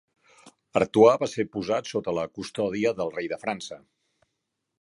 Artois va ser posat sota la custòdia del rei de França.